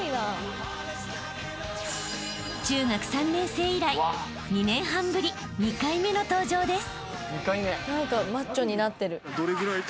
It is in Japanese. ［中学３年生以来２年半ぶり２回目の登場です］